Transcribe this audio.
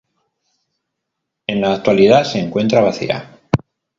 En la actualidad se encuentra vacía.